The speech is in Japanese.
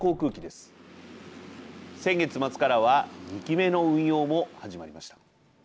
先月末からは２機目の運用も始まりました。